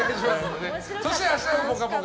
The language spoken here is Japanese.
そして明日の「ぽかぽか」